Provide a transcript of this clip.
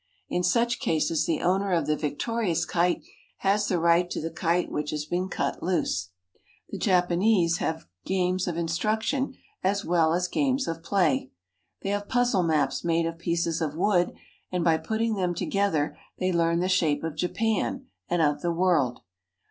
In such cases the owner of the victorious kite has the right to the kite which has been cut loose. The Japanese have games of instruction as well as of play. They have puzzle maps made of pieces of wood, and by putting them together they learn the shape of Japan and of the world.